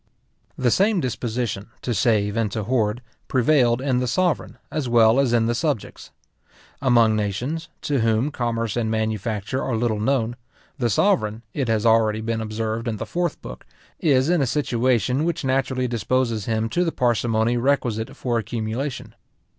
The same disposition, to save and to hoard, prevailed in the sovereign, as well as in the subjects. Among nations, to whom commerce and manufacture are little known, the sovereign, it has already been observed in the Fourth book, is in a situation which naturally disposes him to the parsimony requisite for accumulation.